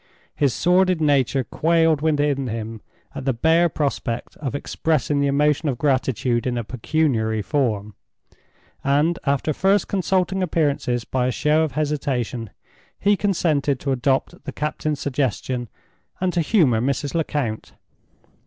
His sordid nature quailed within him at the bare prospect of expressing the emotion of gratitude in a pecuniary form; and, after first consulting appearances by a show of hesitation, he consented to adopt the captain's suggestion, and to humor Mrs. Lecount.